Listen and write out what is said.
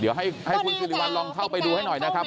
เดี๋ยวให้คุณสิริวัลลองเข้าไปดูให้หน่อยนะครับ